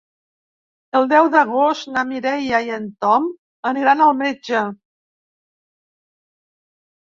El deu d'agost na Mireia i en Tom aniran al metge.